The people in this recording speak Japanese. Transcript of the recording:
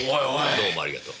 どうもありがとう。